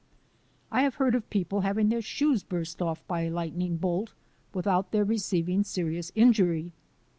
I have heard of people having their shoes burst off by a lightning bolt without their receiving seri ous injury.